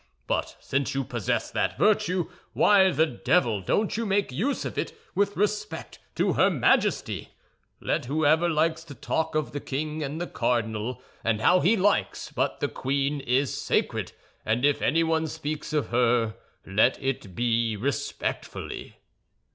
But since you possess that virtue, why the devil don't you make use of it with respect to her Majesty? Let whoever likes talk of the king and the cardinal, and how he likes; but the queen is sacred, and if anyone speaks of her, let it be respectfully."